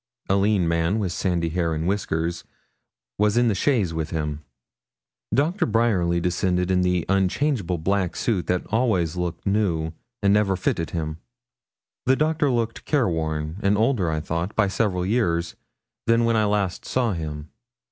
A lean man, with sandy hair and whiskers, was in the chaise with him. Dr. Bryerly descended in the unchangeable black suit that always looked new and never fitted him. The Doctor looked careworn, and older, I thought, by several years, than when I last saw him.